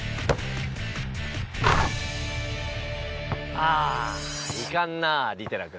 あいかんなぁ利寺君。